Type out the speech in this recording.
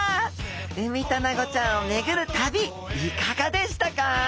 ウミタナゴちゃんを巡る旅いかがでしたか？